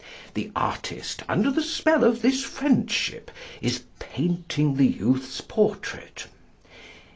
The artist under the spell of this friendship, is painting the youth's portrait.